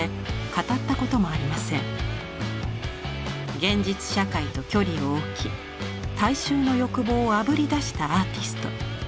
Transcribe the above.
「現実社会と距離を置き大衆の欲望をあぶりだしたアーティスト」